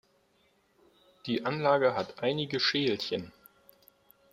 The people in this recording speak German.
Die Anlage hat einige Schälchen.